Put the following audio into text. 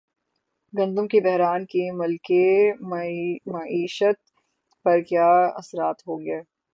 گندم کے بحران کے ملکی معیشت پر کیا اثرات ہوں گے